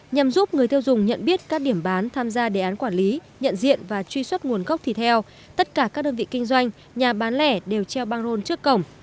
nhằm giúp người tiêu dùng nhận biết các điểm bán tham gia đề án quản lý nhận diện và truy xuất nguồn gốc thịt heo tất cả các đơn vị kinh doanh nhà bán lẻ đều treo băng rôn trước cổng